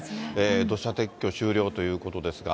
土砂撤去終了ということですが。